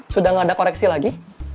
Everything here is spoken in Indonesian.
sudah tidak ada koreksi lagi